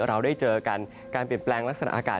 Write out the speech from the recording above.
เราได้เจอกันการเปลี่ยนแปลงลักษณะอากาศ